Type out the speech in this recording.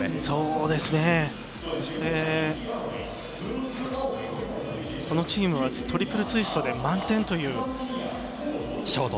そして、このチームはトリプルツイストでショートで満点という。